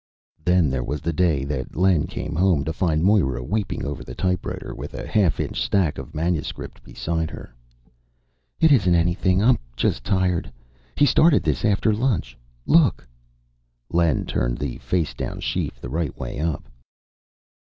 Then there was the day when Len came home to find Moira weeping over the typewriter, with a half inch stack of manuscript beside her. "It isn't anything. I'm just tired. He started this after lunch. Look." Len turned the face down sheaf the right way up.